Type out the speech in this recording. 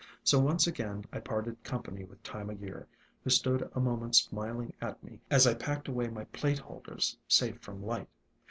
So once again I parted company with Time o' Year, who stood a moment smiling at me as I packed away my plate holders safe from light.